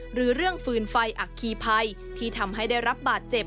หรือเรื่องฟืนไฟอัคคีภัยที่ทำให้ได้รับบาดเจ็บ